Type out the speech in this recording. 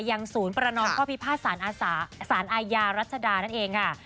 ยังศูนย์ประนอมข้อพิพาทสารอาญารัชดานั่นเองค่ะ